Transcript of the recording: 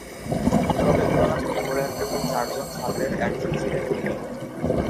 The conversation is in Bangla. রবীন্দ্রনাথ ঠাকুরের প্রথম চারজন ছাত্রের একজন ছিলেন তিনি।